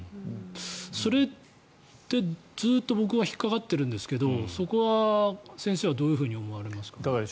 それって、ずっと僕は引っかかってるんですけどそこは先生はどういうふうに思われますか？